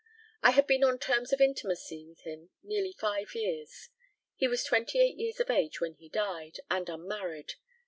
I had been on terms of intimacy with him nearly five years. He was twenty eight years of age when he died, and unmarried.